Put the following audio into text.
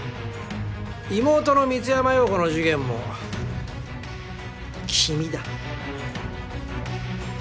妹の美津山葉子の事件も君だ。